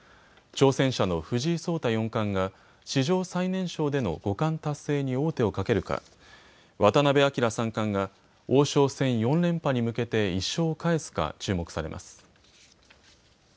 挑戦者の藤井聡太四冠が史上最年少での五冠達成に王手をかけるか渡辺明三冠が王将戦４連覇に向けて１勝を返すか注目されます。